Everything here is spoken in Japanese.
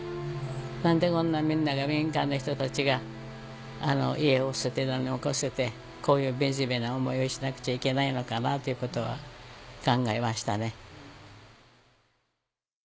何でこんなみんなが民間の人たちが家を捨てて何もかも捨ててこういう惨めな思いをしなくちゃいけないのかなっていうことは考えましたね。